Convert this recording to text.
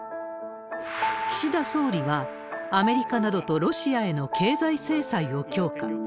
岸田総理は、アメリカなどとロシアへの経済制裁を強化。